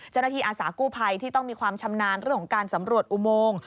เจ้าหน้าที่อาสากู้ภัยที่ต้องมีความชำนาญเรื่องการสำรวจอุโมง